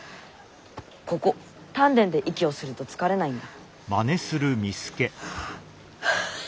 ここ丹田で息をすると疲れないんだ。